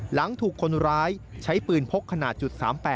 หลังถูกคนร้ายใช้ปืนพกขนาด๓๘